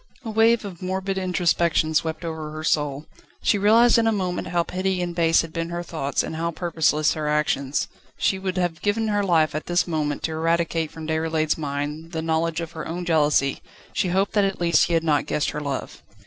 A wave of morbid introspection swept over her soul. She realised in a moment how petty and base had been her thoughts and how purposeless her actions. She would have given her life at this moment to eradicate from Déroulède's mind the knowledge of her own jealousy; she hoped that at least he had not guessed her love.